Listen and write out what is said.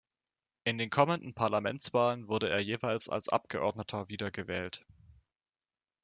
In den kommenden Parlamentswahlen wurde er jeweils als Abgeordneter wiedergewählt.